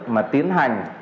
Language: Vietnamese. mà tiến hành